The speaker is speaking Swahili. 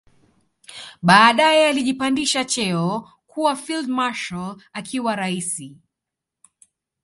Baadae alijipandisha cheo kua field marshal akiwa raisi